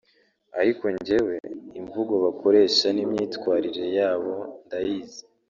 ariko njyewe imvugo bakoresha n’imyitwarire yabo ndayizi